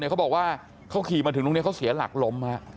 เขาบอกว่าเขาขี่มาถึงตรงนี้เขาเสียหลักล้ม